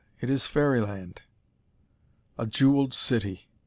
It is fairyland!" A jewelled city!